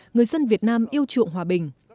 người dân việt nam yêu trụng hòa bình